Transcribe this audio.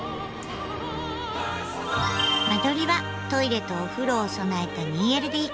間取りはトイレとお風呂を備えた２ＬＤＫ。